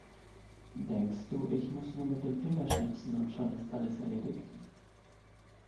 Denkst du, ich muss nur mit dem Finger schnipsen und schon ist alles erledigt?